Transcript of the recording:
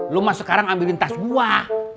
lu mah sekarang ambilin tas buah nih